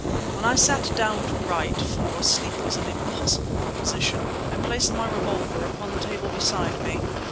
When I sat down to write (for sleep was an impossible proposition) I placed my revolver upon the table beside me.